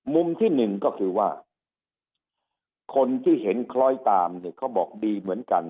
มุมที่หนึ่งก็คือว่าคนที่เห็นคล้อยตามเนี่ยเขาบอกดีเหมือนกัน